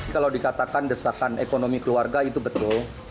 kalau dikatakan desakan ekonomi keluarga itu betul